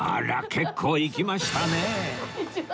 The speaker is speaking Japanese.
結構いきましたねえ